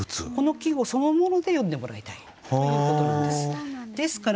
この季語そのもので詠んでもらいたいということなんです。